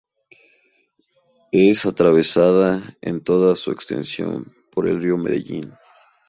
Es atravesada en toda su extensión por el Río Medellín.